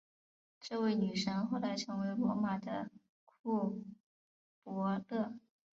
这位女神后来成为罗马的库柏勒。